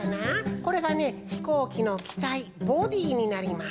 これがねひこうきのきたいボディーになります。